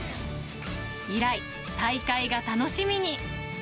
以来、大会が楽しみに。